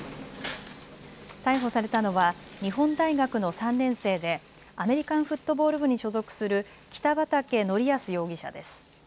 逮捕されたのは日本大学の３年生でアメリカンフットボール部に所属する北畠成文容疑者です。